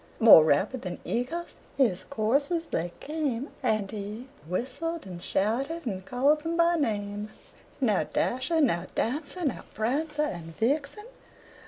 More rapid than eagles his coursers they came, And he whistled and shouted and called them by name: "Now, Dasher! now, Dancer! now, Prancer and Vixen!